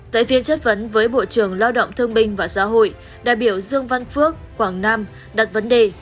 tại phiên chất vấn với bộ trưởng lao động thương binh và xã hội đại biểu dương văn phước quảng nam đặt vấn đề